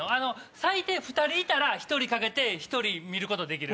最低２人いたら１人かけて１人見ることできる。